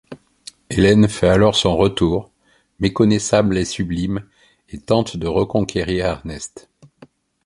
Helen fait alors son retour, méconnaissable et sublime, et tente de reconquérir Ernest.